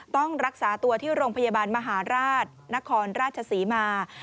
ต้องรักษาตัวที่โรงพยาบาลมหาราชนครราชศรีมา